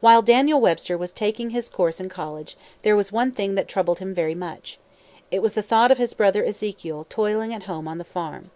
While Daniel Webster was taking his course in college, there was one thing that troubled him very much. It was the thought of his brother Ezekiel toiling at home on the farm.